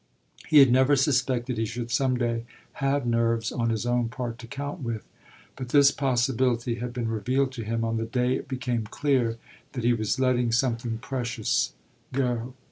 He had never suspected he should some day have nerves on his own part to count with; but this possibility had been revealed to him on the day it became clear that he was letting something precious go.